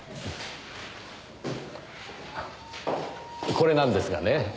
これなんですがね。